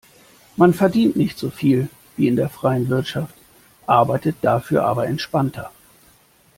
Man verdient nicht so viel wie in der freien Wirtschaft, arbeitet dafür aber entspannter.